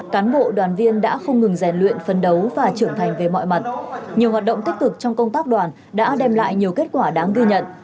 cán bộ đoàn viên đã không ngừng rèn luyện phân đấu và trưởng thành về mọi mặt nhiều hoạt động tích cực trong công tác đoàn đã đem lại nhiều kết quả đáng ghi nhận